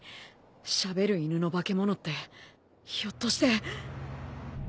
しゃべる犬の化け物ってひょっとして。